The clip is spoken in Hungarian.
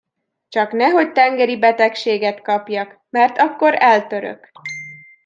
Csak nehogy tengeribetegséget kapjak, mert akkor eltörök.